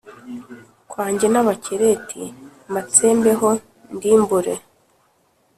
kwanjye n Abakereti mbatsembeho ndimbure